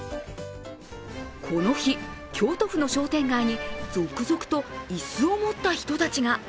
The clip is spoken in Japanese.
この日、京都府の商店街に続々と椅子を持った人たちが。